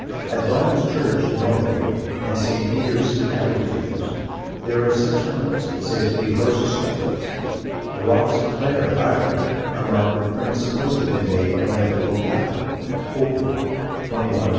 At Valna's church, Norway, and St. Peter's, Ambleteuse, there are such marks, said to be horses' hoofprints. The rocks of Clare, Ireland, are marked with prints supposed to have been made by a mythical cow (Folklore, 21 184).